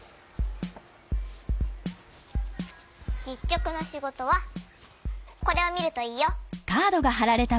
にっちょくのしごとはこれをみるといいよ。